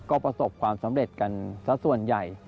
ก็ประสบความสำเร็จกันสักส่วนใหญ่